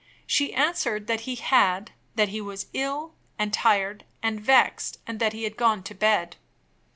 She answered that he had; that he was ill and tired, and vexed, and that he had gone to bed.